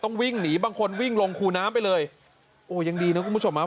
วิ่งหนีบางคนวิ่งลงคูน้ำไปเลยโอ้ยังดีนะคุณผู้ชมฮะ